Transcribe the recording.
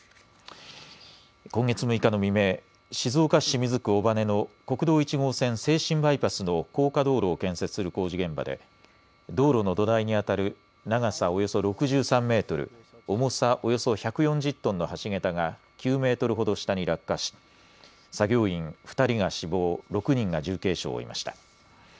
今月６日の未明、静岡市清水区尾羽の国道１号線静清バイパスの高架道路を建設する工事現場で道路の土台にあたる長さおよそ６３メートル、重さおよそ１４０トンの橋桁が９メートルほど下に落下し作業員２人が死亡、６人が重軽傷を負いました。